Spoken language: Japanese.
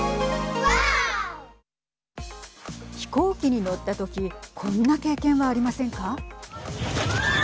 飛行機に乗った時こんな経験はありませんか。